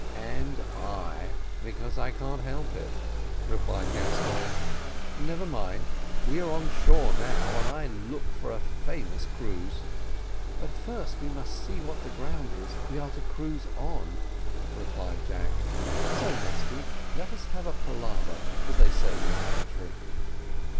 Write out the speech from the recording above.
"And I, because I can't help it," replied Gascoigne; "never mind, we are on shore now, and I look for a famous cruise." "But first we must see what the ground is we are to cruise on," replied Jack; "so, Mesty, let us have a palaver, as they say in your country."